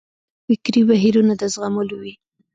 فکري بهیرونه د زغملو وي.